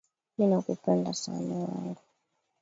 Mi na kupenda sana wangu